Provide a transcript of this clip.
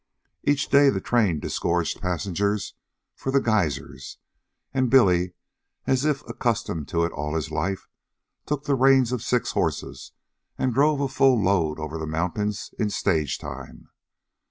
Each day the train disgorged passengers for the Geysers, and Billy, as if accustomed to it all his life, took the reins of six horses and drove a full load over the mountains in stage time.